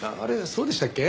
そうでしたっけ？